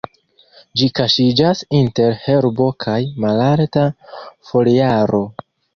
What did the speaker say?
Ĝi kaŝiĝas inter herbo kaj malalta foliaro.